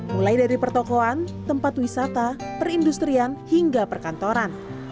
mulai dari pertokohan tempat wisata perindustrian hingga perkantoran